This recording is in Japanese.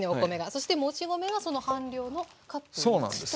そしてもち米はその半量のカップ１と。